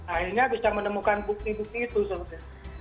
akhirnya bisa menemukan bukti bukti itu seharusnya